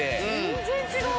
全然違う。